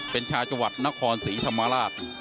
เป็นชาวจัวร์วัดนครศีษธรรมาต์